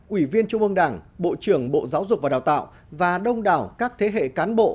ủy viên trung ương đảng bộ trưởng bộ giáo dục và đào tạo và đông đảo các thế hệ cán bộ